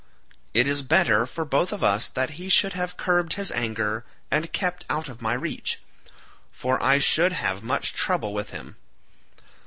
It is better for both of us that he should have curbed his anger and kept out of my reach, for I should have had much trouble with him.